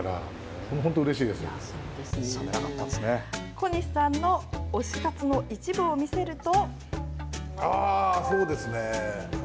小西さんの推し活の一部を見せると。